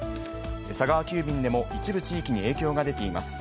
佐川急便でも一部地域に影響が出ています。